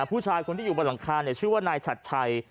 ผู้ชายคนที่อยู่บนหลังคาชื่อว่านายฉัดชัย